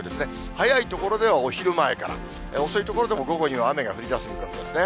早い所ではお昼前から、遅い所でも午後には雨が降りだす見込みですね。